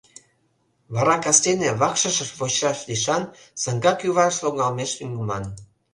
Вара кастене, вакшышыш вочшаш лишан, саҥга кӱварыш логалмеш лӱҥгыман.